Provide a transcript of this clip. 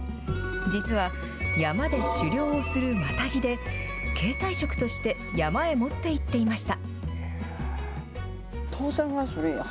実は山で狩猟をするマタギで、携帯食として山へ持っていっていました。